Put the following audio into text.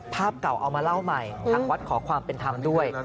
ภาพเก่าเอามาเล่าใหม่ทางวัดขอความเป็นธรรมด้วย